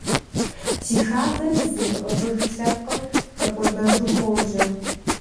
Зи хабзэр зымыӀыгъыж лъэпкъыр хэкӀуэдэжу хуожьэ.